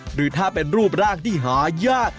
หรือถ้าเป็นรูปร่างที่หายาก